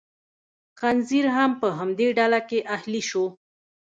خنزیر هم په همدې ډله کې اهلي شو.